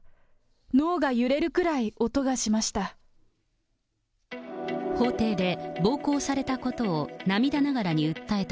脳が揺れるくらい音がしました。